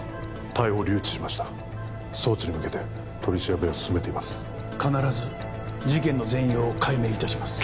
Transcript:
逮捕留置しました送致に向けて取り調べを進めています必ず事件の全容を解明いたします